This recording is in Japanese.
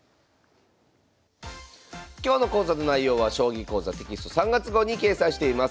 今日の講座の内容は「将棋講座」テキスト３月号に掲載しています。